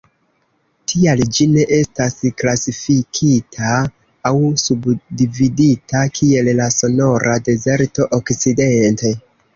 Tial, ĝi ne estas klasifikita aŭ subdividita, kiel la Sonora-Dezerto okcidente.